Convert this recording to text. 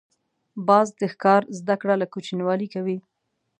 باز د ښکار زده کړه له کوچنیوالي کوي